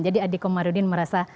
jadi adhiko marudin merasa